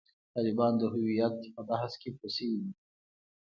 طالبان د هویت پر بحث کې پوه شوي دي.